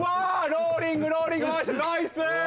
ローリングローリング回してるナイス！